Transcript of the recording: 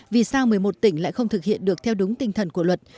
vì sao một mươi một tỉnh lại không thực hiện được theo đúng tinh thần của luật